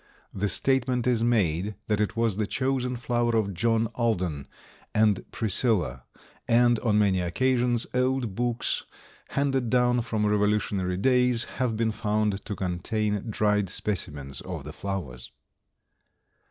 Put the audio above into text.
The statement is made that it was the chosen flower of John Alden and Priscilla and, on many occasions, old books, handed down from revolutionary days, have been found to contain dried specimens of the flowers.